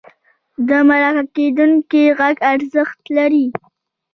د مرکه کېدونکي غږ ارزښت لري.